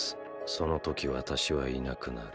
その時私はいなくなる。